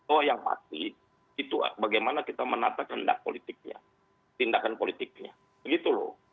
oh yang pasti itu bagaimana kita menata kehendak politiknya tindakan politiknya begitu loh